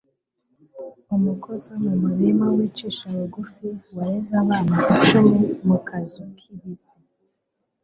umukozi wo mu murima wicisha bugufi wareze abana icumi mu kazu kibisi